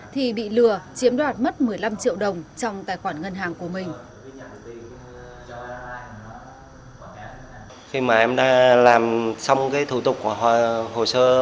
thì bị lừa chiếm đoạt mất một mươi năm triệu đồng trong tài khoản ngân hàng của mình